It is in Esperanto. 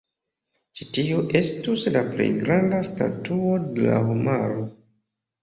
Ĉi-tiu estus la plej granda statuo de la homaro.